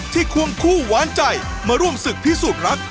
ควงคู่หวานใจมาร่วมศึกพิสูจน์รัก